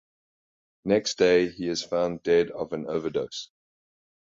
Next day he is found dead of an overdose.